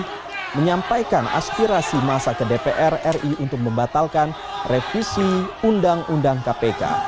dan menyampaikan aspirasi masa ke dpr ri untuk membatalkan revisi undang undang kpk